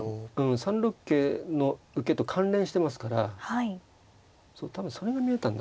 ３六桂の受けと関連してますから多分それが見えたんだろうな。